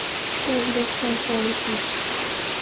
เจลอิเล็กโทรโฟริซิส